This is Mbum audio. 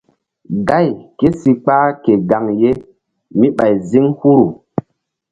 Gáy ké si kpah ke gaŋ mí ɓay ziŋ huhru.